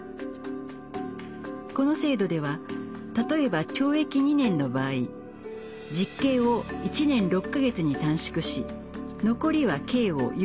この制度では例えば懲役２年の場合実刑を１年６か月に短縮し残りは刑を猶予。